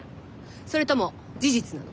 それとも事実なの？